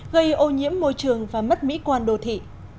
gây ô nhiễm môi trường và mất mỹ quan đô thị